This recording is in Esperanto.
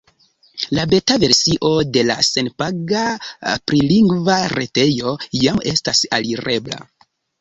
La beta versio de la senpaga prilingva retejo jam estas alirebla.